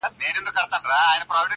لېوه جوړي په ځنګله کي کړې رمباړي-